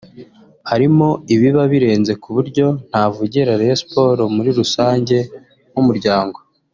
Harimo ibiba birenze ku buryo ntavugira Rayon Sports muri rusange nk’umuryango